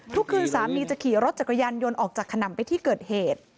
ทุกคืนสามีจะขี่รถจักรยานยนต์ออกจากขนำไปที่เกิดเหตุ